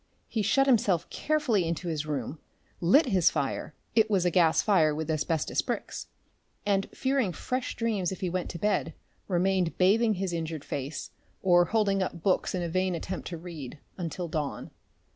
He shut himself carefully into his room, lit his fire it was a gas fire with asbestos bricks and, fearing fresh dreams if he went to bed, remained bathing his injured face, or holding up books in a vain attempt to read, until dawn.